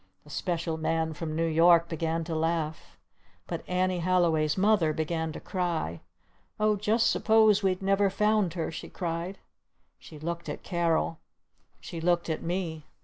The Special Man from New York began to laugh. But Annie Halliway's Mother began to cry. "Oh, just suppose we'd never found her?" she cried. She looked at Carol. She looked at me.